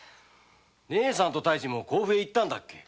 姉さんと太一も甲府へ行ったんだっけ。